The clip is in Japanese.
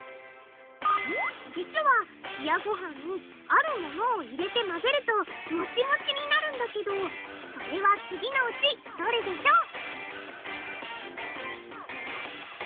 実は冷やごはんに「あるもの」を入れて混ぜるとモチモチになるんだけどそれは次のうちどれでしょう？